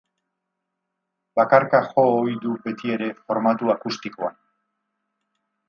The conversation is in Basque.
Bakarka jo ohi du betiere formatu akustikoan.